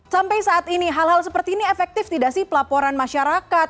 sampai saat ini hal hal seperti ini efektif tidak sih pelaporan masyarakat